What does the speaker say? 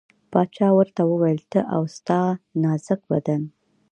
باچا ورته وویل ته او ستا نازک بدن.